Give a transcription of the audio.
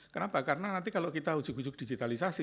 kenapa karena nanti kalau kita ujuk ujuk digitalisasi